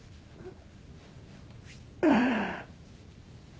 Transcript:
ああ。